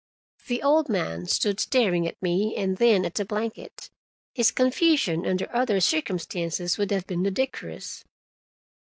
The old man stood staring at me and then at the blanket. His confusion under other circumstances would have been ludicrous.